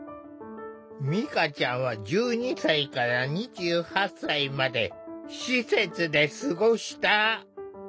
みかちゃんは１２歳から２８歳まで施設で過ごした。